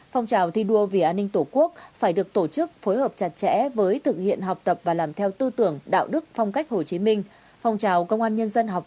phong trào thi đua vì an ninh tổ quốc phải được tổ chức phối hợp chặt chẽ với thực hiện học tập và làm theo tư tưởng đạo đức phong cách hồ chí minh